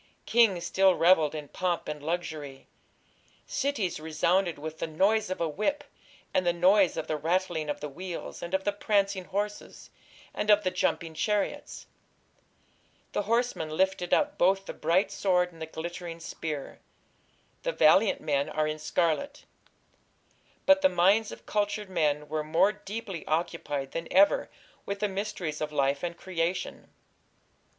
Kings still revelled in pomp and luxury. Cities resounded with "the noise of a whip, and the noise of the rattling of the wheels, and of the prancing horses, and of the jumping chariots. The horseman lifteth up both the bright sword and the glittering spear.... The valiant men are in scarlet." But the minds of cultured men were more deeply occupied than ever with the mysteries of life and creation.